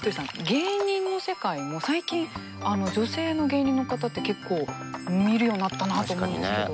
芸人の世界も最近女性の芸人の方って結構見るようになったなと思うんですけど。